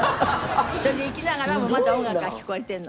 それで行きながらもまだ音楽が聞こえてるの。